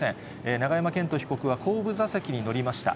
永山絢斗被告は後部座席に乗りました。